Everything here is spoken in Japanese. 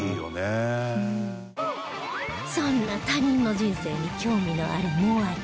そんな他人の人生に興味のある望亜ちゃん